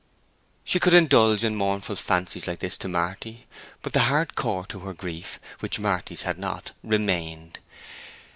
She could indulge in mournful fancies like this to Marty; but the hard core to her grief—which Marty's had not—remained.